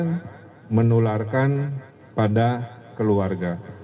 tapi juga menularkan pada keluarga